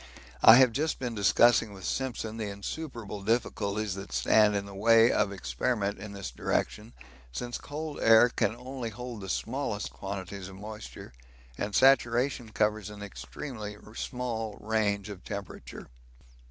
I have just been discussing with Simpson the insuperable difficulties that stand in the way of experiment in this direction, since cold air can only hold the smallest quantities of moisture, and saturation covers an extremely small range of temperature.